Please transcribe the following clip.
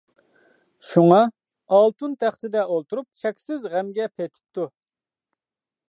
شۇڭا، ئالتۇن تەختىدە ئولتۇرۇپ چەكسىز غەمگە پېتىپتۇ.